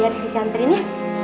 biar di sisi antri ini ya